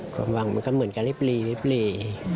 ความหวังมันก็เหมือนกับลิบหลี